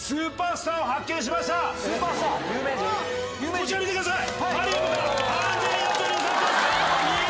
こちら見てください。